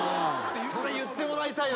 それ言ってもらいたいな。